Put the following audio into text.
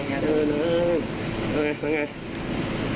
โอเคว่าไงว่าไง